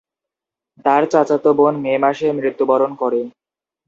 তার চাচাতো বোন মে মাসে মৃত্যুবরণ করে।